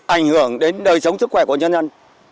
ảnh hưởng đến đời sống sức khỏe của nhân dân